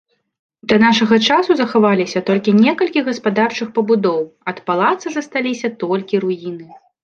Да нашага часу захаваліся толькі некалькі гаспадарчых пабудоў, ад палаца засталіся толькі руіны.